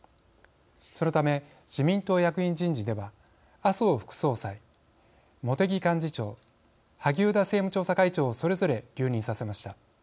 そのため自民党役員人事では麻生副総裁、茂木幹事長萩生田政務調査会長をそれぞれ留任させました。